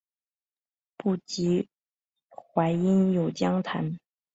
不及淮阴有将坛。